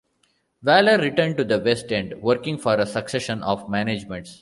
Waller returned to the West End, working for a succession of managements.